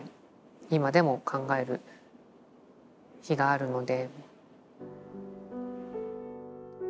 今でも考える日があるので。